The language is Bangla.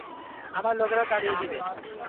আমার লোকেরা তাড়িয়ে দিবে।